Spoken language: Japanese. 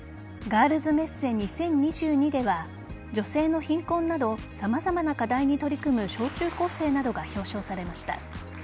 ガールズメッセ２０２２では女性の貧困など様々な課題に取り組む小中高生などが表彰されました。